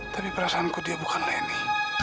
tapi perasaanku dia bukan leni